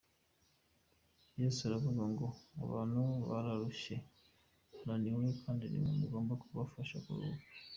Yesu aravuga ngo abantu bararushye barananiwe, kandi nimwe mugomba kubafasha kuruhuka.